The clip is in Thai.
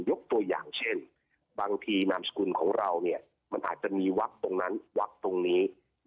ยกตัวอย่างเช่นบางทีนามสกุลของเราเนี่ยมันอาจจะมีวักตรงนั้นวักตรงนี้